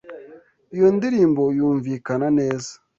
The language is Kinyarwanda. Iyo ndirimbo yumvikana neza.